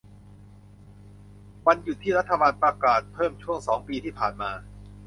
วันหยุดที่รัฐบาลประกาศเพิ่มช่วงสองปีที่ผ่านมา